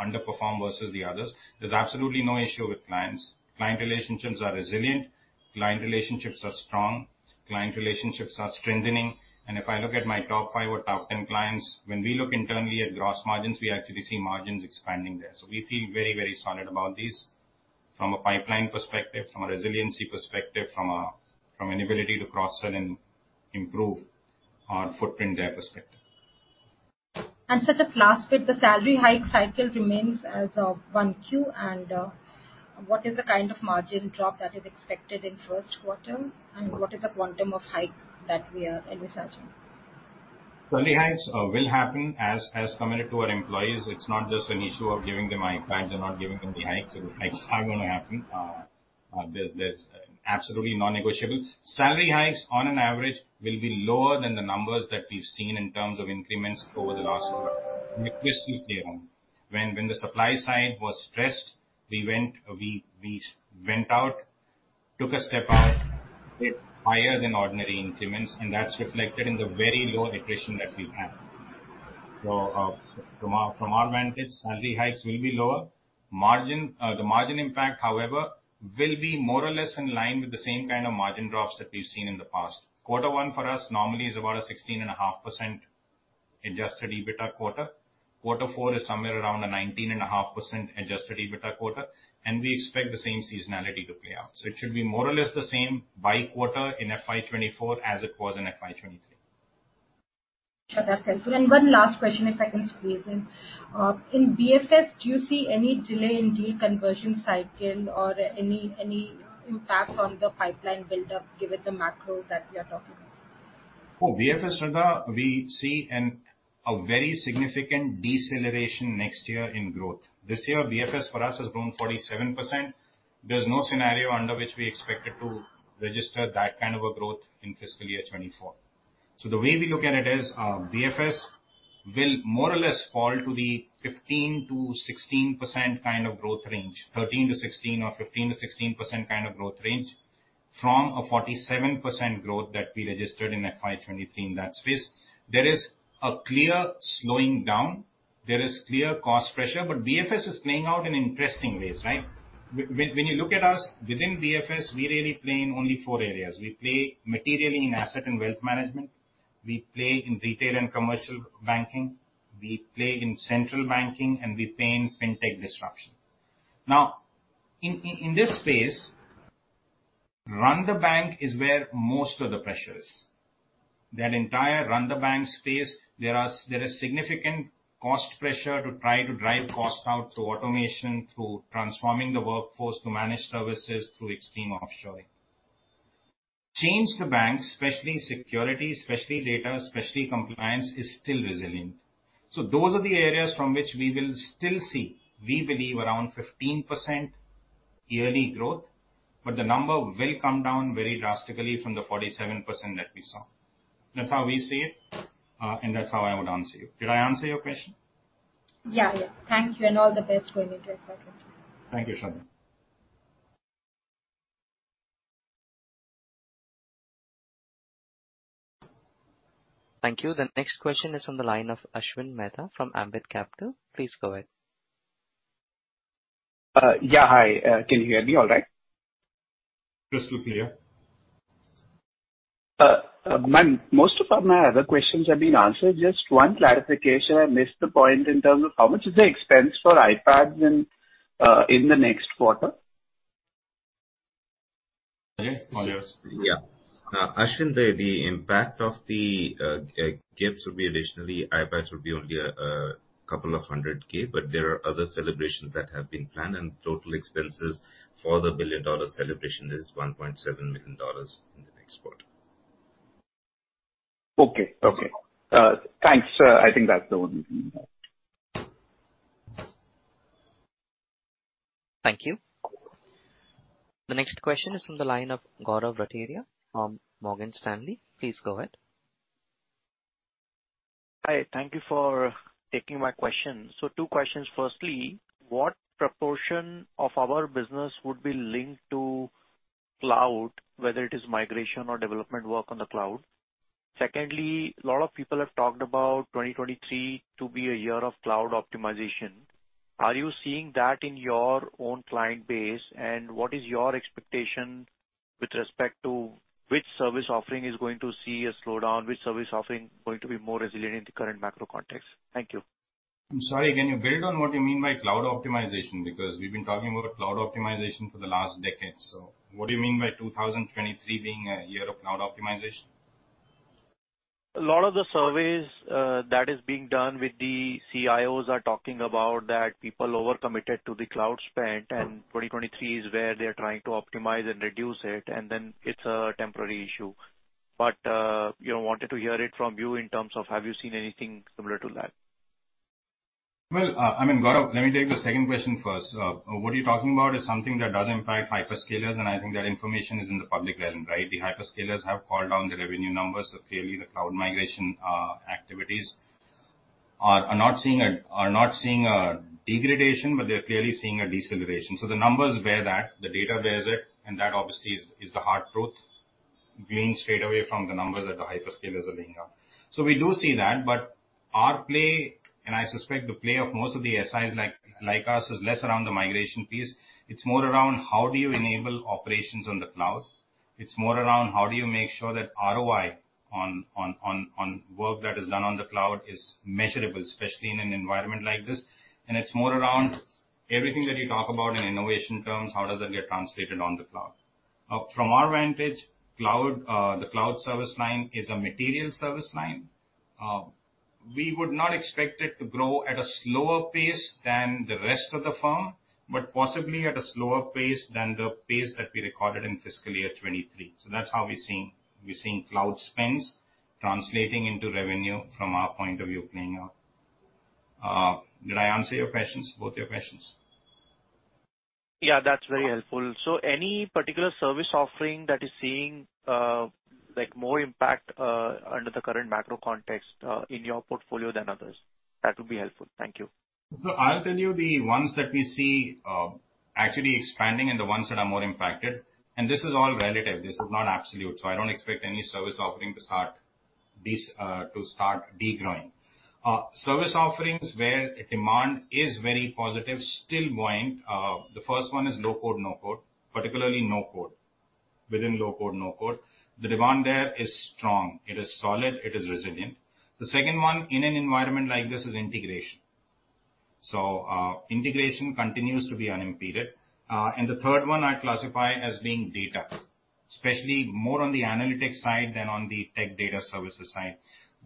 underperform versus the others. There's absolutely no issue with clients. Client relationships are resilient, client relationships are strong, client relationships are strengthening. If I look at my top five or top 10 clients, when we look internally at gross margins, we actually see margins expanding there. We feel very, very solid about this. From a pipeline perspective, from a resiliency perspective, from an ability to cross-sell and improve our footprint there perspective. Sir, just last bit. The salary hike cycle remains as of 1Q. What is the kind of margin drop that is expected in Q1? What is the quantum of hike that we are researching? committed to our employees. It's not just an issue of giving them iPads and not giving them the hikes. The hikes are going to happen. That's absolutely non-negotiable. Salary hikes on an average will be lower than the numbers that we've seen in terms of increments over the last fiscal year. When the supply side was stressed, we went out, took a step out with higher than ordinary increments, and that's reflected in the very low attrition that we have. So, from our vantage, salary hikes will be lower. The margin impact, however, will be more or less in line with the same kind of margin drops that we've seen in the past. Q1 for us normally is about a 16.5% adjusted EBITDA quarter. Q4 is somewhere around a 19.5% adjusted EBITDA quarter. We expect the same seasonality to play out. It should be more or less the same by quarter in FY 2024 as it was in FY 2023. Sure, that's helpful. One last question, if I can squeeze in. In BFS, do you see any delay in the conversion cycle or any impact on the pipeline buildup given the macros that we are talking about? For BFS, Shraddha, we see a very significant deceleration next year in growth. This year, BFS for us has grown 47%. There's no scenario under which we expect it to register that kind of a growth in fiscal year 2024. The way we look at it is, BFS will more or less fall to the 15%-16% kind of growth range. 13%-16% or 15%-16% kind of growth range from a 47% growth that we registered in FY23 in that space. There is a clear slowing down. There is clear cost pressure. BFS is playing out in interesting ways, right? When you look at us within BFS, we really play in only four areas. We play materially in asset and wealth management. We play in retail and commercial banking. We play in central banking, and we play in fintech disruption. Now, in this space, run the bank is where most of the pressure is. That entire run the bank space, there is significant cost pressure to try to drive cost out through automation, through transforming the workforce to managed services through extreme offshoring. Change the bank, especially security, especially data, especially compliance, is still resilient. Those are the areas from which we will still see, we believe, around 15% yearly growth, but the number will come down very drastically from the 47% that we saw. That's how we see it, and that's how I would answer you. Did I answer your question? Yeah, yeah. Thank you and all the best for your results. Thank you, Shradha. Thank you. The next question is from the line of Ashwin Mehta from Ambit Capital. Please go ahead. Yeah. Hi, can you hear me all right? Crystal clear. Most of my other questions have been answered. Just one clarification. I missed the point in terms of how much is the expense for iPads in the next quarter? Okay. Manoj? Yeah. Ashwin, the impact of the gifts will be additionally. iPads will be only $200K. There are other celebrations that have been planned, and total expenses for the billion-dollar celebration is $1.7 million in the next quarter. Okay. Okay. Okay. Thanks. I think that's the one we need. Thank you. The next question is from the line of Gaurav Rateria from Morgan Stanley. Please go ahead. Hi. Thank you for taking my question. Two questions. Firstly, what proportion of our business would be linked to cloud, whether it is migration or development work on the cloud? Secondly, a lot of people have talked about 2023 to be a year of cloud optimization. Are you seeing that in your own client base? What is your expectation with respect to which service offering is going to see a slowdown? Which service offering going to be more resilient in the current macro context? Thank you. I'm sorry. Can you build on what you mean by cloud optimization? We've been talking about cloud optimization for the last decade. What do you mean by 2023 being a year of cloud optimization? A lot of the surveys that is being done with the CIOs are talking about that people over-committed to the cloud spend. Mm-hmm. 2023 is where they're trying to optimize and reduce it's a temporary issue. you know, wanted to hear it from you in terms of, have you seen anything similar to that? Well, I mean, Gaurav, let me take the second question first. What you're talking about is something that does impact hyperscalers, and I think that information is in the public realm, right? The hyperscalers have called down their revenue numbers. Clearly the cloud migration activities are not seeing a degradation, but they're clearly seeing a deceleration. The numbers bear that. The data bears it, and that obviously is the hard truth gleaned straight away from the numbers that the hyperscalers are bringing up. We do see that. Our play, and I suspect the play of most of the SIs like us, is less around the migration piece. It's more around how do you enable operations on the cloud. It's more around how do you make sure that ROI on work that is done on the cloud is measurable, especially in an environment like this. It's more around everything that you talk about in innovation terms, how does that get translated on the cloud? From our vantage, cloud, the cloud service line is a material service line. We would not expect it to grow at a slower pace than the rest of the firm, but possibly at a slower pace than the pace that we recorded in fiscal year 2023. That's how we're seeing cloud spends translating into revenue from our point of view playing out. Did I answer your questions, both your questions? Yeah, that's very helpful. Any particular service offering that is seeing, like, more impact, under the current macro context, in your portfolio than others? That would be helpful. Thank you. I'll tell you the ones that we see actually expanding and the ones that are more impacted, and this is all relative, this is not absolute, I don't expect any service offering to start degrowing. Service offerings where demand is very positive, still buoyant. The first one is low-code/no-code, particularly no-code. Within low-code, no-code. The demand there is strong, it is solid, it is resilient. The second one in an environment like this is integration. Integration continues to be unimpeded. And the third one I'd classify as being data, especially more on the analytics side than on the tech data services side.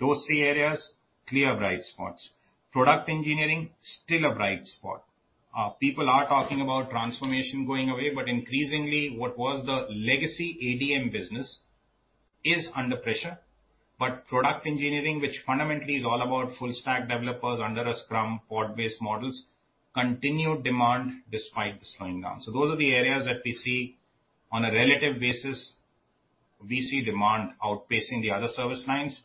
Those three areas, clear bright spots. Product engineering, still a bright spot. People are talking about transformation going away, but increasingly, what was the legacy ADM business is under pressure. Product engineering, which fundamentally is all about full stack developers under a scrum pod-based models, continued demand despite the slowing down. Those are the areas that we see on a relative basis, we see demand outpacing the other service lines.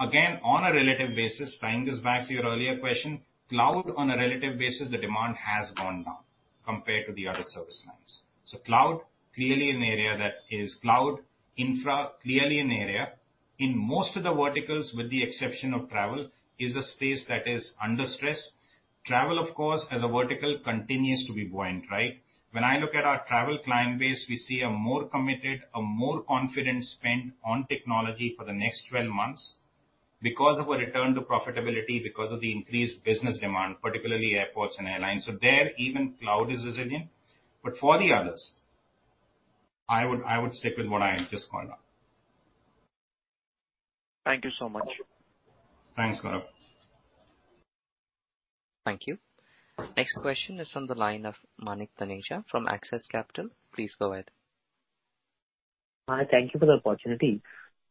Again, on a relative basis, tying this back to your earlier question, cloud on a relative basis, the demand has gone down compared to the other service lines. Cloud, clearly an area that is cloud. Infra, clearly an area. In most of the verticals, with the exception of travel, is a space that is under stress. Travel, of course, as a vertical continues to be buoyant, right? When I look at our travel client base, we see a more committed, a more confident spend on technology for the next 12 months because of a return to profitability, because of the increased business demand, particularly airports and airlines. There, even cloud is resilient. For the others I would stick with what I just called out. Thank you so much. Thanks, Gaurav. Thank you. Next question is on the line of Manik Taneja from Axis Capital. Please go ahead. Hi, thank you for the opportunity.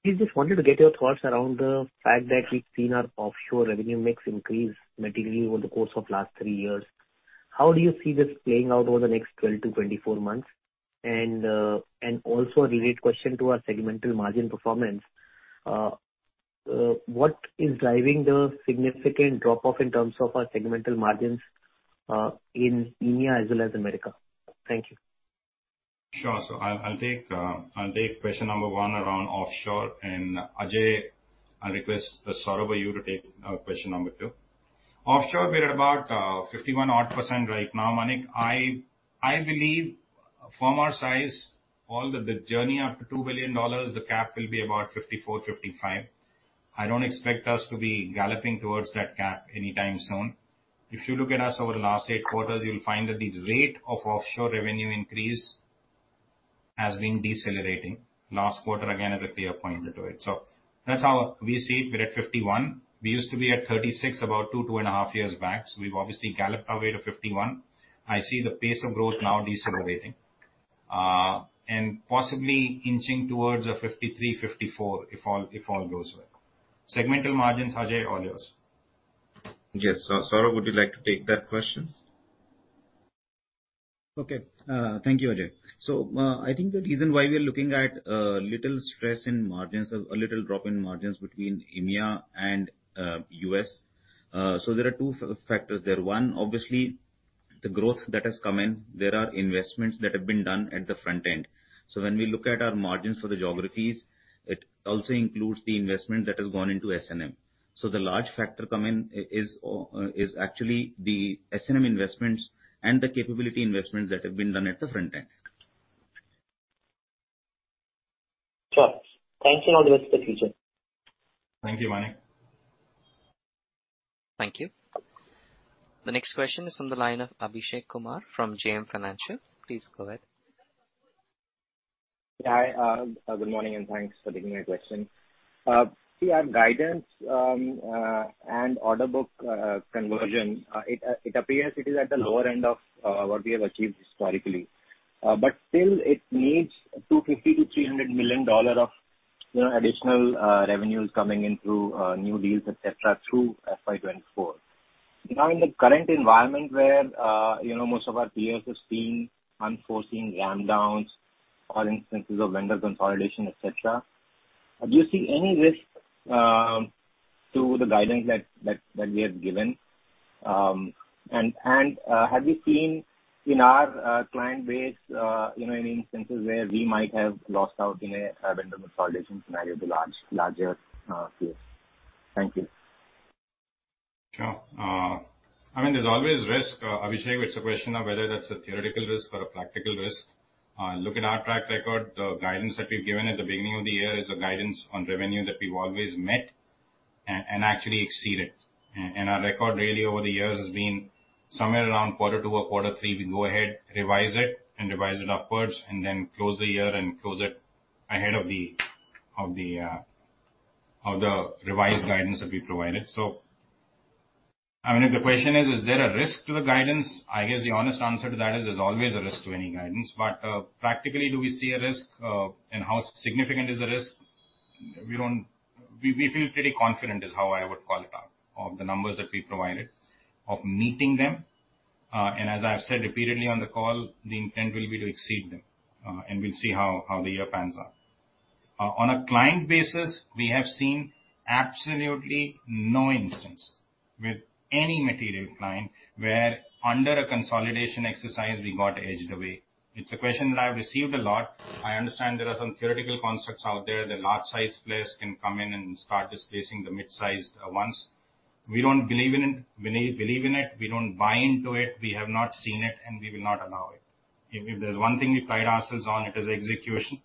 Just wanted to get your thoughts around the fact that we've seen our offshore revenue mix increase materially over the course of last three years. How do you see this playing out over the next 12-24 months? Also a related question to our segmental margin performance. What is driving the significant drop-off in terms of our segmental margins in EMEA as well as America? Thank you. Sure. I'll take question number 1 around offshore. Ajay, I request Saurabh or you to take question number 2. Offshore, we're at about 51% right now, Manik. I believe from our size, all the journey up to $2 billion, the cap will be about 54-55. I don't expect us to be galloping towards that cap anytime soon. If you look at us over the last 8 quarters, you'll find that the rate of offshore revenue increase has been decelerating. Last quarter again is a clear pointer to it. That's how we see it. We're at 51. We used to be at 36 about 2 and a half years back, so we've obviously galloped our way to 51. I see the pace of growth now decelerating, and possibly inching towards a 53%-54% if all goes well. Segmental margins, Ajay, all yours. Yes. Saurabh, would you like to take that question? Okay. Thank you, Ajay. I think the reason why we are looking at little stress in margins or a little drop in margins between EMEA and US, so there are 2 factors there. One, obviously the growth that has come in, there are investments that have been done at the front end. When we look at our margins for the geographies, it also includes the investment that has gone into S&M. The large factor come in is actually the S&M investments and the capability investments that have been done at the front end. Sure. Thank you. All the best for the future. Thank you, Manik. Thank you. The next question is on the line of Abhishek Kumar from JM Financial. Please go ahead. Yeah, hi. Good morning, and thanks for taking my question. We have guidance, and order book, conversion. It appears it is at the lower end of what we have achieved historically. Still it needs $250 million-$300 million of, you know, additional revenues coming in through new deals, et cetera, through FY24. Now, in the current environment where, you know, most of our peers have seen unforeseen ramp downs or instances of vendor consolidation, et cetera, do you see any risk to the guidance that we have given? Have you seen in our client base, you know, any instances where we might have lost out in a vendor consolidation scenario to large, larger peers? Thank you. Sure. I mean, there's always risk. Abhishek, it's a question of whether that's a theoretical risk or a practical risk. Look at our track record. The guidance that we've given at the beginning of the year is a guidance on revenue that we've always met and actually exceeded. Our record really over the years has been somewhere around Q2 or Q3, we go ahead, revise it, and revise it upwards, and then close the year and close it ahead of the, of the, of the revised guidance that we provided. I mean, if the question is there a risk to the guidance? I guess the honest answer to that is, there's always a risk to any guidance. Practically, do we see a risk, and how significant is the risk? We don't... We feel pretty confident, is how I would call it out, of the numbers that we provided, of meeting them. As I've said repeatedly on the call, the intent will be to exceed them, and we'll see how the year pans out. On a client basis, we have seen absolutely no instance with any material client where under a consolidation exercise we got edged away. It's a question that I've received a lot. I understand there are some theoretical constructs out there that large-sized players can come in and start displacing the mid-sized ones. We believe in it, we don't buy into it, we have not seen it, and we will not allow it. If there's one thing we pride ourselves on, it is execution.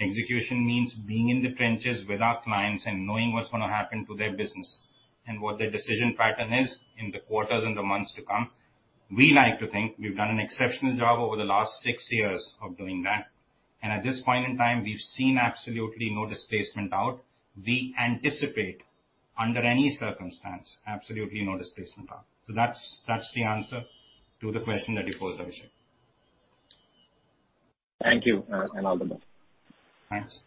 Execution means being in the trenches with our clients and knowing what's gonna happen to their business and what their decision pattern is in the quarters and the months to come. We like to think we've done an exceptional job over the last six years of doing that, and at this point in time, we've seen absolutely no displacement out. We anticipate, under any circumstance, absolutely no displacement out. That's the answer to the question that you posed, Abhishek. Thank you, and all the best. Thanks.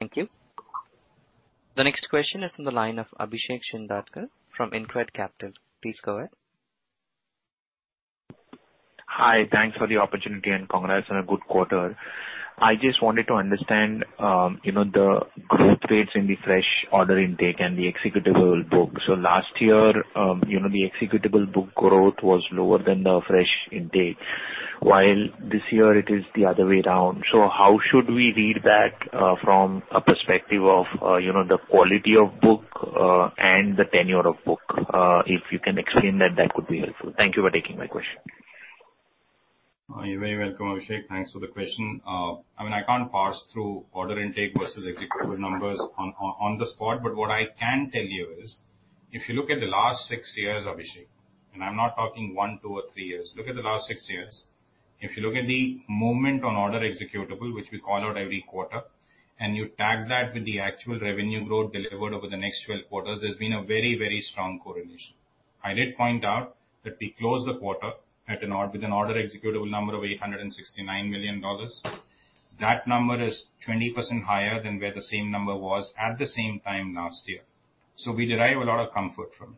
Thank you. The next question is in the line of Abhishek Shindadkar from InCred Equities. Please go ahead. Hi. Thanks for the opportunity, congrats on a good quarter. I just wanted to understand, you know, the growth rates in the fresh order intake and the executable book. Last year, you know, the executable book growth was lower than the fresh intake, while this year it is the other way around. How should we read that, from a perspective of, you know, the quality of book, and the tenure of book? If you can explain that could be helpful. Thank you for taking my question. You're very welcome, Abhishek. Thanks for the question. I mean, I can't parse through order intake versus executable numbers on the spot, but what I can tell you is, if you look at the last six years, Abhishek, and I'm not talking one, two or three years, look at the last six years. If you look at the movement on order executable, which we call out every quarter, and you tag that with the actual revenue growth delivered over the next 12 quarters, there's been a very, very strong correlation. I did point out that we closed the quarter with an order executable number of $869 million. That number is 20% higher than where the same number was at the same time last year. We derive a lot of comfort from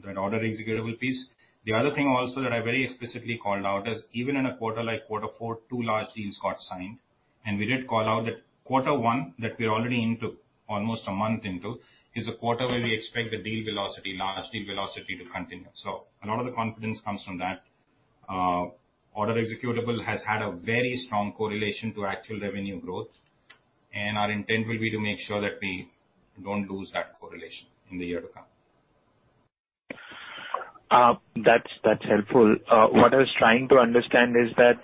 it, that order executable piece. The other thing also that I very explicitly called out is even in a quarter like Q4, two large deals got signed, and we did call out that Q1, that we're already into, almost a month into, is a quarter where we expect the deal velocity, large deal velocity to continue. A lot of the confidence comes from that. Order executable has had a very strong correlation to actual revenue growth, and our intent will be to make sure that we don't lose that correlation in the year to come. That's, that's helpful. What I was trying to understand is that,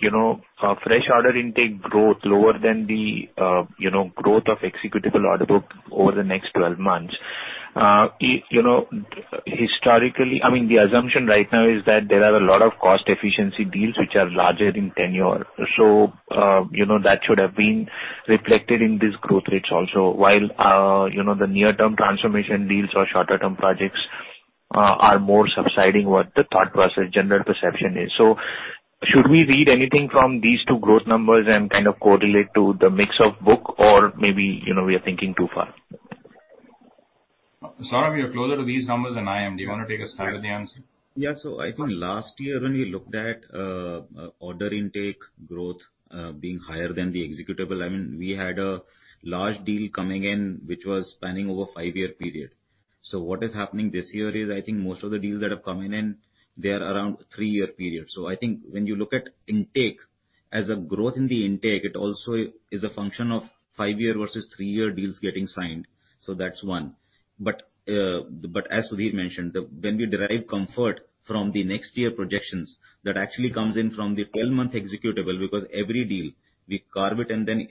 you know, fresh order intake growth lower than the, you know, growth of executable order book over the next 12 months, you know, historically. I mean, the assumption right now is that there are a lot of cost efficiency deals which are larger in tenure. You know, that should have been reflected in these growth rates also, while, you know, the near-term transformation deals or shorter-term projects, are more subsiding what the thought was or general perception is. Should we read anything from these two growth numbers and kind of correlate to the mix of book or maybe, you know, we are thinking too far? Saurabh, you're closer to these numbers than I am. Do you wanna take a stab at the answer? I think last year when we looked at order intake growth being higher than the executable, I mean, we had a large deal coming in which was spanning over a 5-year period. What is happening this year is I think most of the deals that have come in, they are around 3-year period. I think when you look at intake, as a growth in the intake, it also is a function of 5-year versus 3-year deals getting signed. That's one. As Sudhir mentioned, when we derive comfort from the next year projections, that actually comes in from the 12-month executable, because every deal, we carve it and then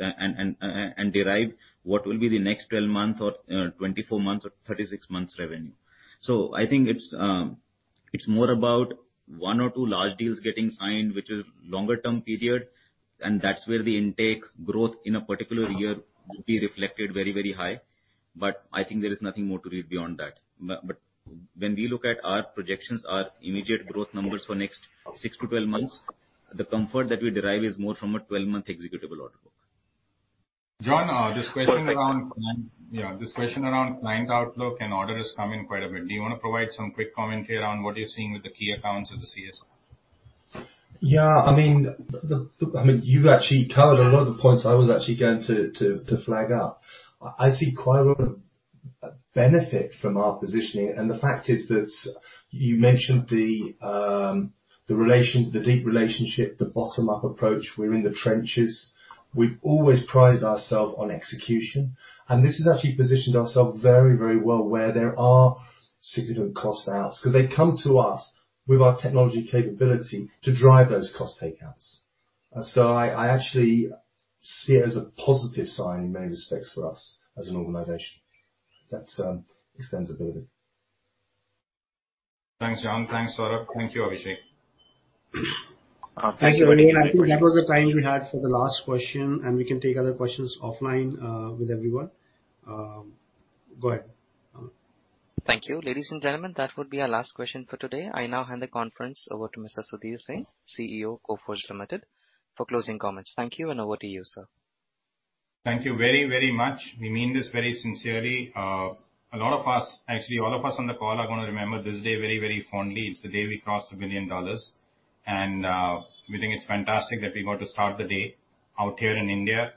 and derive what will be the next 12-month or 24 months or 36 months revenue. I think it's more about one or two large deals getting signed, which is longer-term period, and that's where the intake growth in a particular year will be reflected very, very high. I think there is nothing more to read beyond that. When we look at our projections, our immediate growth numbers for next 6 to 12 months, the comfort that we derive is more from a 12-month executable order book. John, this question around- Thank you. Yeah, this question around client outlook and orders come in quite a bit. Do you wanna provide some quick commentary on what you're seeing with the key accounts as a CS? Yeah, I mean, the. I mean, you actually covered a lot of the points I was actually going to flag up. I see quite a lot of benefit from our positioning. The fact is that you mentioned the relation, the deep relationship, the bottom-up approach. We're in the trenches. We've always prided ourself on execution. This has actually positioned ourself very, very well where there are significant cost outs. 'Cause they come to us with our technology capability to drive those cost takeouts. I actually see it as a positive sign in many respects for us as an organization. That's extensibility. Thanks, John. Thanks, Saurabh. Thank you, Abhishek. Thank you very much. I think that was the time we had for the last question. We can take other questions offline with everyone. Go ahead, Aman. Thank you. Ladies and gentlemen, that would be our last question for today. I now hand the conference over to Mr. Sudhir Singh, CEO, Coforge Limited, for closing comments. Thank you, and over to you, sir. Thank you very, very much. We mean this very sincerely. A lot of us, actually all of us on the call are gonna remember this day very, very fondly. It's the day we crossed $1 billion. We think it's fantastic that we got to start the day out here in India,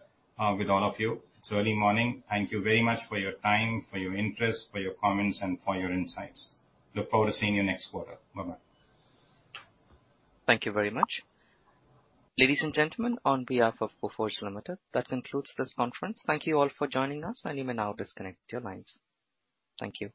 with all of you. It's early morning. Thank you very much for your time, for your interest, for your comments, and for your insights. Look forward to seeing you next quarter. Bye-bye. Thank you very much. Ladies and gentlemen, on behalf of Coforge Limited, that concludes this conference. Thank you all for joining us. You may now disconnect your lines. Thank you.